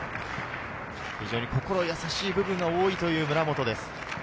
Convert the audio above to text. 心優しい部分が多いという村本です。